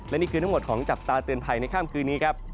และนี่คือทั้งหมดของจับตาเตือนภัยในค่ำคืนนี้ครับ